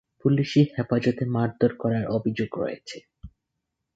পুলিশি হেফাজতে মারধর করার অভিযোগ রয়েছে।